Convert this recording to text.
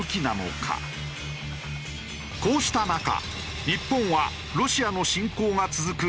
こうした中日本はロシアの侵攻が続く